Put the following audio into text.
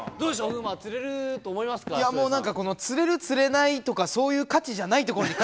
風磨、釣れると思なんかこの、釣れる釣れないとか、そういう価値じゃないところに。